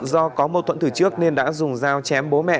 do có mâu thuận từ trước nên đã dùng giao chém bố mẹ